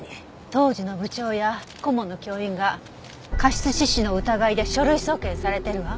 当時の部長や顧問の教員が過失致死の疑いで書類送検されてるわ。